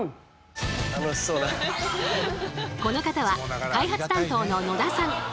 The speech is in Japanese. この方は開発担当の野田さん。